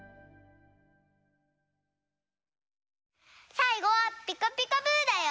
さいごは「ピカピカブ！」だよ。